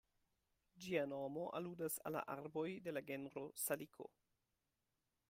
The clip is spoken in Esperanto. Ĝia nomo aludas al la arboj de la genro Saliko.